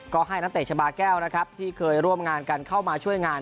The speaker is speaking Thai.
ก็ให้นักเตะชาบาแก้วนะครับที่เคยร่วมงานกันเข้ามาช่วยงาน